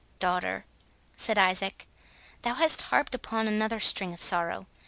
"Daughter," said Isaac, "thou hast harped upon another string of sorrow.